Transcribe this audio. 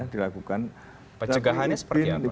dilakukan pecegahannya seperti apa